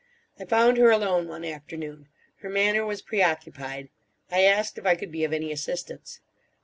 I found her alone one afternoon. Her manner was preoccupied; I asked if I could be of any assistance.